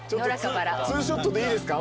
ツーショットでいいですか？